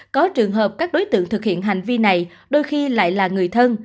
có trường hợp các đối tượng thực hiện hành vi này đôi khi lại là người thân